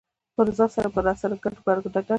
په رضا سره به راسره بدرګه شو.